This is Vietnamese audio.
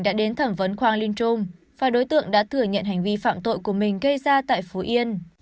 đã đến thẩm vấn quang linh trung và đối tượng đã thử nhận hành vi phạm tội của mình gây ra tại phú yên